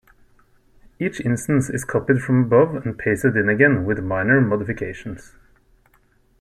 Each instance is copied from above and pasted in again, with minor modifications.